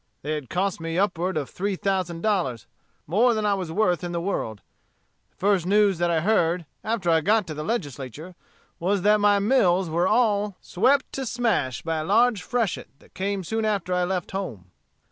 They had cost me upward of three thousand dollars; more than I was worth in the world. The first news that I heard, after I got to the Legislature, was that my mills were all swept to smash by a large freshet that came soon after I left home.